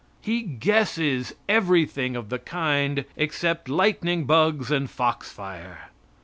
He guesses everything of the kind except lightning bugs and foxfire.